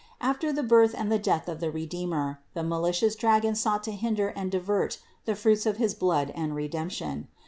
After the Birth and the Death of the Redeemer, the malicious dragon sought to hinder and divert the fruits of his blood and redemption.